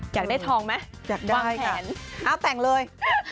อยากได้ทองไหมวางแผนอยากได้ค่ะเอาแต่งเลย